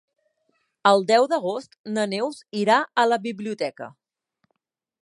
El deu d'agost na Neus irà a la biblioteca.